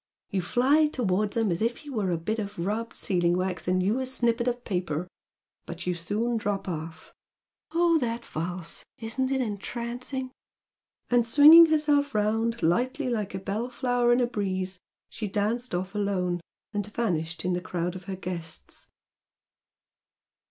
You fly towards him as if he were a bit of rubbed sealing wax and you a snippet of paper! But you soon drop off! Oh, that valse! Isn't it entrancing!" And, swinging herself round lightly like a bell flower in a breeze she danced off alone and vanished in the crowd of her guests.